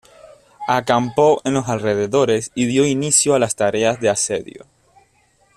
Acampó en los alrededores y dio inicio a las tareas de asedio.